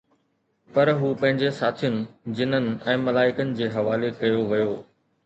پر هو پنهنجي ساٿين، جنن ۽ ملائڪن جي حوالي ڪيو ويو